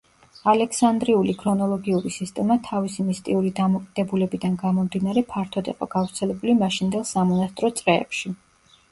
ალექსანდრიული ქრონოლოგიური სისტემა თავისი მისტიური დამოკიდებულებიდან გამომდინარე ფართოდ იყო გავრცელებული მაშინდელ სამონასტრო წრეებში.